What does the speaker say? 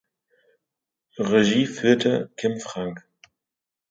Regie führte Kim Frank.